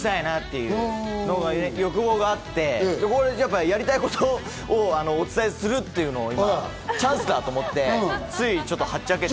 その欲望があって、やりたいことをお伝えするっていうのを今、チャンスだと思って、ついちょっと、はっちゃけて。